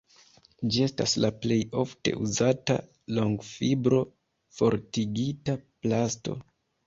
Ĝi estas la plej ofte uzata longfibro-fortigita plasto.